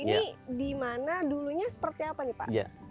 ini dimana dulunya seperti apa pak